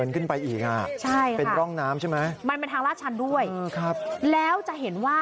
คือมีคนงานมาเต็มคันเลย